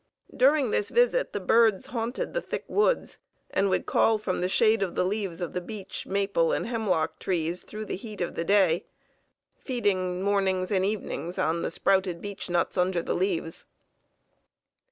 During this visit the birds haunted the thick woods, and would call from the shade of the leaves of beech, maple, and hemlock trees through the heat of the day, feeding mornings and evenings on the sprouted beech nuts under the leaves.